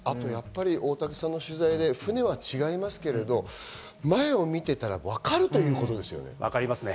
大竹さんの取材で船は違いますけど、前を見ていたらわかるという分かりますね。